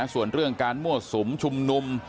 ส่วนเรื่องการมั่วสุมชุมนุม